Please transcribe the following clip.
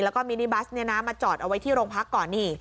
แล้วก็มินิบัสมาจอดเอาไว้ที่โรงพักก่อนนี่